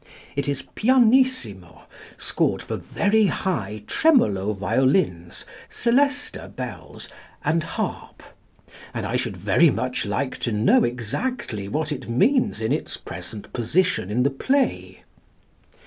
It is pianissimo, scored for very high tremolo violins, celesta bells, and harp; and I should very much like to know exactly what it means in its present position in the play.